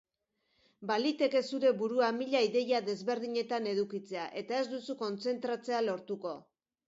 Baliteke zure burua mila ideia desberdinetan edukitzea, eta ez duzu kontzentratzea lortuko.